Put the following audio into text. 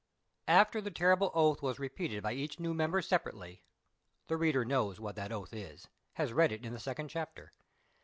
After the terrible oath was repeated by each new mem ber separately (the reader knows what that oath is ; has read it in the second chapter).